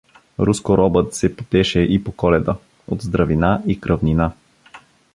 Руско Робът се потеше и по Коледа от здравина и кръвнина.